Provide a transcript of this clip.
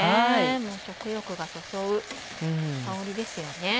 もう食欲をそそる香りですよね。